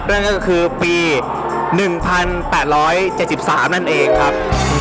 นั่นก็คือปี๑๘๗๓นั่นเองครับ